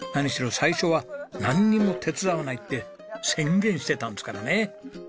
最初はなんにも手伝わないって宣言してたんですからね。